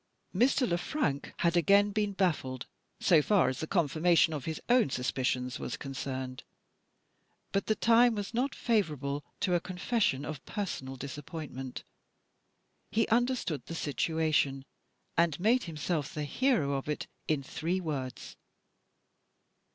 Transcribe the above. Mr. Le Frank had again been baffled, so far as the confirmation of his own suspicions was concerned. But the time was not favourable to a confession of personal disappointment. He understood the situation; and made himself the hero of it, in three words.